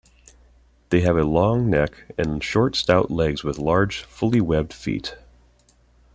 They have a long neck and short stout legs with large, fully webbed feet.